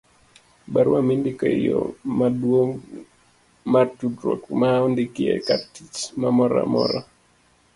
barua mindiko e yo maduong' mar tudruok ma ondiki e kartich moramora